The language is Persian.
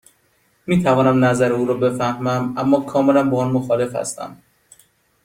می توانم نظر او را بفهمم، اما کاملا با آن مخالف هستم.